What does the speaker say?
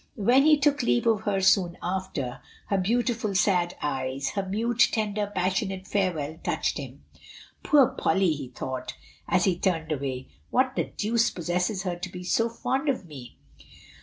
When he took leave of her soon afler, her beau tiful sad eyes, her mute, tender, passionate farewell touched him. "Poor Polly," he thought, as he turned away, "what the deuce possesses her to be so fond of me?"